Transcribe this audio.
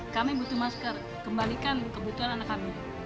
kami butuh masker kembalikan kebutuhan anak kami